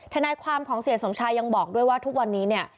ท่านายความของเศรษฐ์สมชัยยังบอกด้วยว่าทุกวันนี้